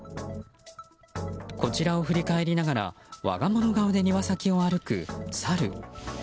こちらを振り返りながら我が物顔で庭先を歩くサル。